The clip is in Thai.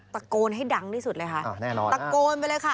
ตะโกนให้ดังที่สุดเลยค่ะแน่นอนตะโกนไปเลยค่ะ